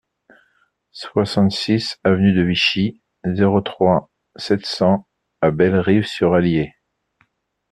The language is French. soixante-six avenue de Vichy, zéro trois, sept cents à Bellerive-sur-Allier